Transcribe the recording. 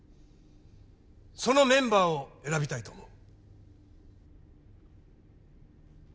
そのメンバーを選びたいと思う。